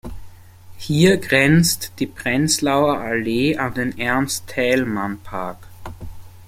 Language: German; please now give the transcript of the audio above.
Hier grenzt die Prenzlauer Allee an den Ernst-Thälmann-Park.